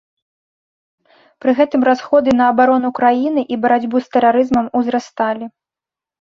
Пры гэтым расходы на абарону краіны і барацьбу з тэрарызмам узрасталі.